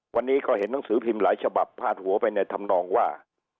วันนี้ก็เห็นหนังสือพิมพ์หลายฉบับพาดหัวไปในธรรมนองว่า